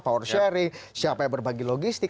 power sharing siapa yang berbagi logistik